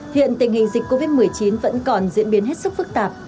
hiện tình hình dịch covid một mươi chín vẫn còn diễn biến hết sức phức tạp